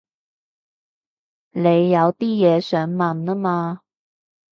你有啲嘢想問吖嘛